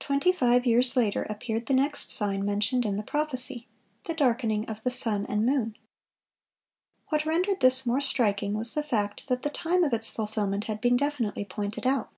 Twenty five years later appeared the next sign mentioned in the prophecy,—the darkening of the sun and moon. What rendered this more striking was the fact that the time of its fulfilment had been definitely pointed out.